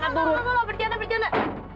tunggu tunggu tunggu berjalan berjalan